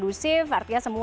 ber stray tersebut